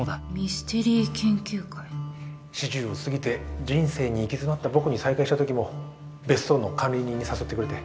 四十を過ぎて人生に行き詰まった僕に再会したときも別荘の管理人に誘ってくれて。